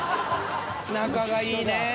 仲がいいね。